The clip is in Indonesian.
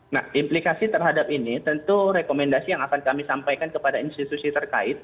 nah implikasi terhadap ini tentu rekomendasi yang akan kami sampaikan kepada institusi terkait